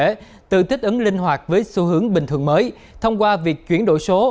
có thể tự tích ứng linh hoạt với xu hướng bình thường mới thông qua việc chuyển đổi số